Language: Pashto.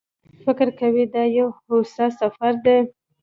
فکر کوي دا یو هوسا سفر دی.